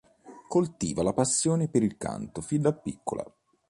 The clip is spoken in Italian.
Coltiva la passione per il canto fin da piccola.